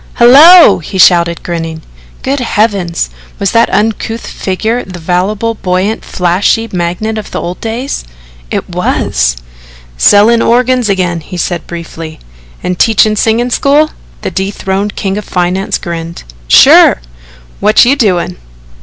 "Hello!" he shouted grinning. Good Heavens, was that uncouth figure the voluble, buoyant, flashy magnate of the old days? It was. "Sellin' organs agin," he said briefly. "And teaching singing school?" The dethroned king of finance grinned. "Sure! What you doin'?"